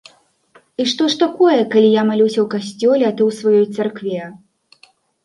І што ж такое, калі я малюся ў касцёле, а ты ў сваёй царкве?